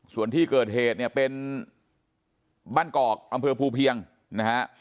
ส่วนที่เกิดเหตุเนี่ยเป็นบ้านกอกอำเภอภูเพียงนะฮะ